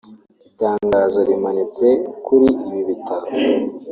Itangazo rimanitse kuri ibi bitaro